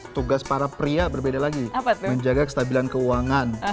tugas para pria berbeda lagi menjaga kestabilan keuangan